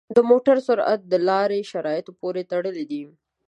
د موټر سرعت د لارې شرایطو پورې تړلی دی.